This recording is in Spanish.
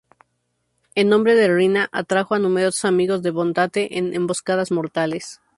En nombre de Riina, atrajo a numerosos amigos de Bontate en emboscadas mortales.